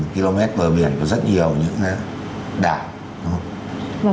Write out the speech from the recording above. ba km bờ biển có rất nhiều những đảo